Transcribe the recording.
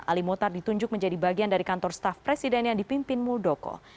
ali muhtar ditunjuk menjadi bagian dari kantor staff presiden yang dipimpin muldoko